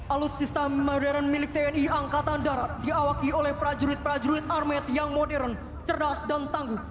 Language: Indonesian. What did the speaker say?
alut sistem modern milik tni angkatan darat diawaki oleh prajurit prajurit armet yang modern cerdas dan tangguh